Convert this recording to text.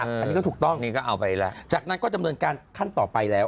อันนี้ก็ถูกต้องนี่ก็เอาไปแล้วจากนั้นก็ดำเนินการขั้นต่อไปแล้ว